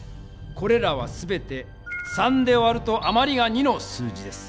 これらはすべて３で割るとあまりが２の数字です。